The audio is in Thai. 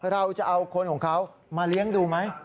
เราจะเอาคนของเขามาเลี้ยงดูไหม